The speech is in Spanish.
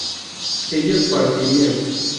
ellos partirían